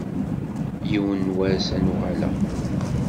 Yiwen n wass ad n-uɣaleɣ.